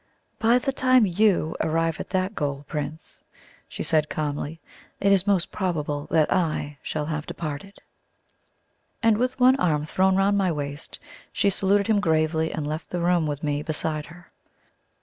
"By the time YOU arrive at that goal, Prince," she said calmly, "it is most probable that I shall have departed." And with one arm thrown round my waist, she saluted him gravely, and left the room with me beside her.